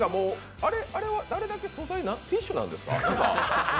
あれだけ素材、ティッシュなんですか？